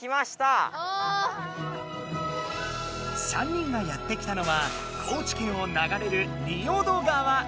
３人がやって来たのは高知県をながれる仁淀川。